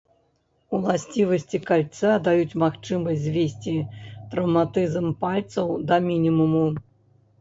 Уласцівасці кальца даюць магчымасць звесці траўматызм пальцаў да мінімуму.